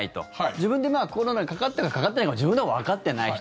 自分でコロナにかかったかかかってないか自分でもわかってない人。